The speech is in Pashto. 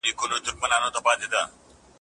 د خپلو پس اندازونو سمه ساتنه وکړئ.